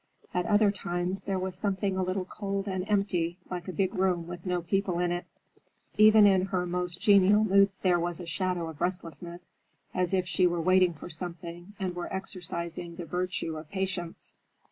At other times there was something a little cold and empty, like a big room with no people in it. Even in her most genial moods there was a shadow of restlessness, as if she were waiting for something and were exercising the virtue of patience.